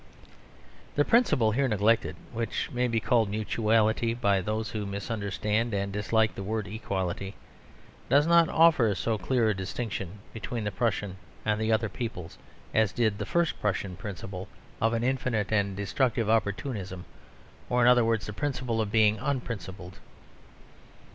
The principle here neglected, which may be called Mutuality by those who misunderstand and dislike the word Equality, does not offer so clear a distinction between the Prussian and the other peoples as did the first Prussian principle of an infinite and destructive opportunism; or, in other words, the principle of being unprincipled.